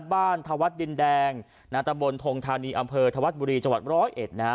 ธวัดดินแดงนาตะบนทงธานีอำเภอธวัดบุรีจังหวัดร้อยเอ็ดนะฮะ